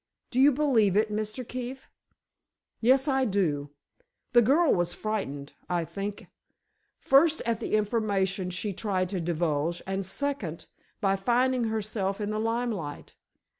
Do you believe it, Mr. Keefe?" "Yes, I do. The girl was frightened, I think; first, at the information she tried to divulge, and second, by finding herself in the limelight.